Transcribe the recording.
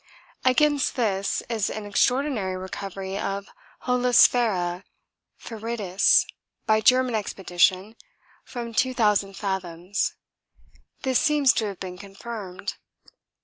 Against this is an extraordinary recovery of Holosphera Firidis by German expedition from 2000 fathoms; this seems to have been confirmed.